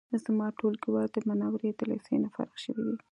زما ټولګیوال د منورې د لیسې نه فارغ شوی دی